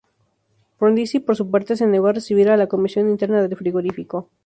Frondizi por su parte se negó a recibir a la comisión interna del frigorífico.